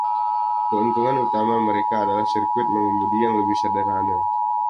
Keuntungan utama mereka adalah sirkuit mengemudi yang lebih sederhana.